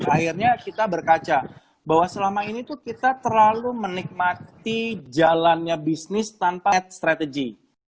akhirnya kita berkaca bahwa selama ini tuh kita terlalu menikmati jalannya bisnis tanpa strategi